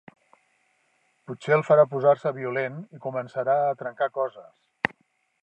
Potser el farà posar-se violent i començarà a trencar coses.